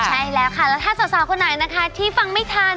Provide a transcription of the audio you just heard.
ใช่แล้วค่ะแล้วถ้าสาวคนไหนนะคะที่ฟังไม่ทัน